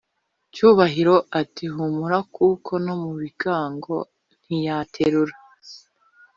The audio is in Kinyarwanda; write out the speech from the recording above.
cyubahiro ati"humura kuko no mubigango ntiyanterura